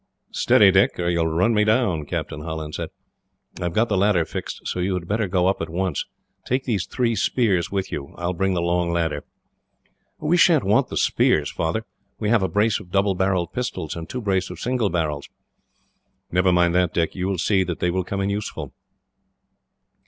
"Steady, Dick, or you will run me down," Captain Holland said. "I have got the ladder fixed, so you had better go up at once. Take these three spears with you. I will bring the long ladder." "We sha'n't want the spears, Father. We have a brace of double barrelled pistols, and two brace of single barrels." "Never mind that, Dick. You will see that they will come in useful."